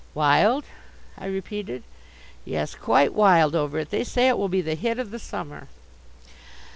"Wild?" I repeated. "Yes, quite wild over it. They say it will be the hit of the summer."